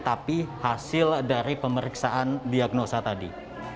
tapi hasil dari pemeriksaan diagnosa tadi